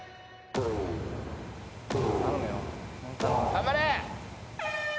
・頑張れ。